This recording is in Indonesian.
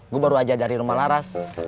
gue baru aja dari rumah laras